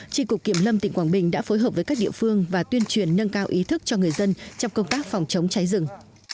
tri cục kiểm lâm tỉnh quảng bình đã phối hợp với các địa phương và tuyên truyền nâng cao ý thức cho người dân trong công tác phòng chống cháy rừng